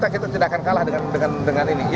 kita tidak akan kalah dengan ini